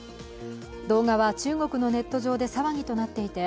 動画は中国のネット上で騒ぎとなっていて、